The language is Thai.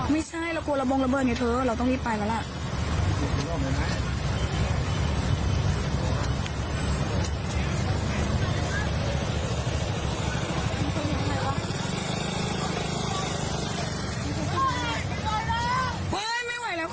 ไม่ใช่เรากลัวระบงระเบิดไงเธอเราต้องรีบไปแล้วล่ะ